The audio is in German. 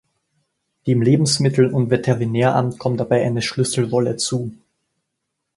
Dem Lebensmittel- und Veterinäramt kommt dabei eine Schlüsselrolle zu.